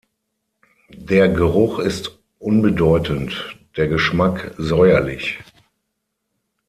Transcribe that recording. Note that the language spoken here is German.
Der Geruch ist unbedeutend; der Geschmack säuerlich.